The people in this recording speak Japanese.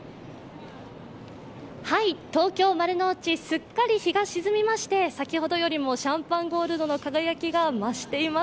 東京・丸の内、すっかり日が沈みまして先ほどよりもシャンパンゴールドの輝きが増しています。